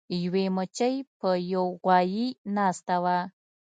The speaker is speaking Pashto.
یوې مچۍ په یو غوایي ناسته وه.